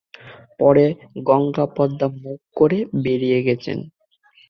পরে গঙ্গা পদ্মা-মুখ করে বেরিয়ে গেছেন।